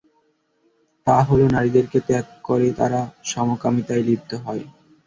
তাহলো, নারীদেরকে ত্যাগ করে তারা সমকামিতায় লিপ্ত হয়।